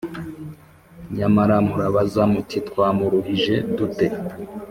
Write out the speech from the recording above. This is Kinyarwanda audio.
nyamara murabaza muti ‘Twamuruhije dute?’